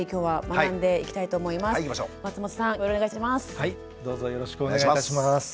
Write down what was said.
はいどうぞよろしくお願いいたします。